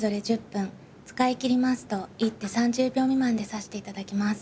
使い切りますと一手３０秒未満で指していただきます。